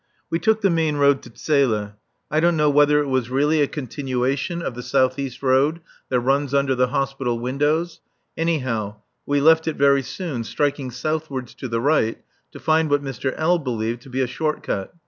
We took the main road to Zele. I don't know whether it was really a continuation of the south east road that runs under the Hospital windows; anyhow, we left it very soon, striking southwards to the right to find what Mr. L. believed to be a short cut.